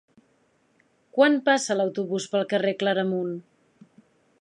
Quan passa l'autobús pel carrer Claramunt?